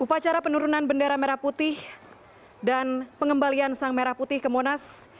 upacara penurunan bendera merah putih dan pengembalian sang merah putih ke monas